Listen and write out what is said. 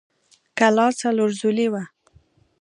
کلا څلور ضلعۍ وه.